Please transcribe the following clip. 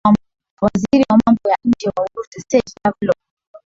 waziri wa mambo ya nje wa urusi sage lavlor